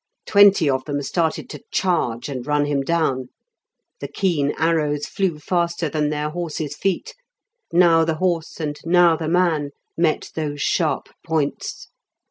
Twenty of them started to charge and run him down. The keen arrows flew faster than their horses' feet. Now the horse and now the man met those sharp points.